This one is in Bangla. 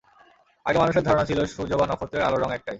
আগে মানুষের ধারণা ছিল সূর্য বা নক্ষত্রের আলোর রং একটাই।